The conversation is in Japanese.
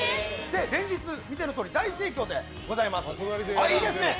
連日見てのとおり大盛況でございます。